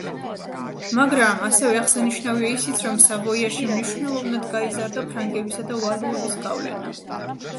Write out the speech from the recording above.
მაგრამ, ასევე აღსანიშნავია ისიც, რომ სავოიაში მნიშვნელოვნად გაიზარდა ფრანგებისა და ვალუების გავლენა.